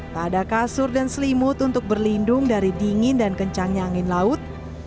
tak ada kasur dan selimut untuk berlindung dari dingin dan kencangnya angin laut